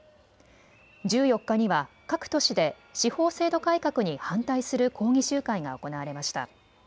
１４日には各都市で司法制度改革に反対する抗議集会が行われました。